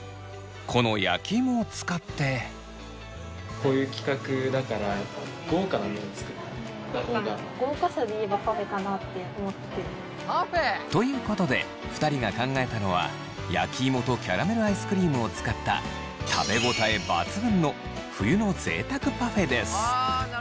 こういう企画だからということで２人が考えたのは焼きいもとキャラメルアイスクリームを使った食べ応え抜群の冬のぜいたくパフェです。